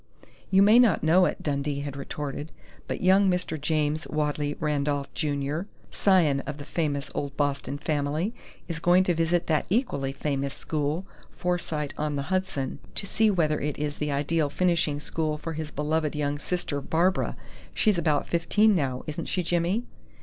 "You may not know it," Dundee had retorted, "but young Mr. James Wadley Randolph, Jr., scion of the famous old Boston family, is going to visit that equally famous school, Forsyte on the Hudson, to see whether it is the ideal finishing school for his beloved young sister, Barbara.... She's about fifteen now, isn't she, Jimmy?"